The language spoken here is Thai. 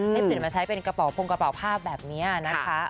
ให้เปลี่ยนมาใช้เป็นกระเป๋าพงกระเป๋าผ้าแบบนี้นะคะ